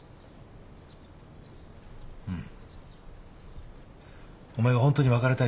うん。